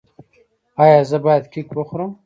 ایا زه باید کیک وخورم؟